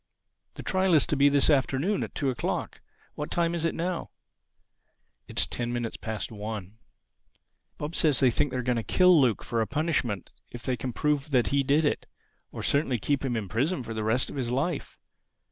The trial is to be this afternoon at two o'clock. What time is it now?" "It's ten minutes past one." "Bob says he thinks they are going to kill Luke for a punishment if they can prove that he did it—or certainly keep him in prison for the rest of his life.